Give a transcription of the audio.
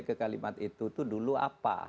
ke kalimat itu itu dulu apa